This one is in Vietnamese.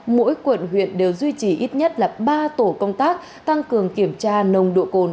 mỗi quận huyện đều duy trì ít nhất là ba tổ công tác tăng cường kiểm tra nồng độ cồn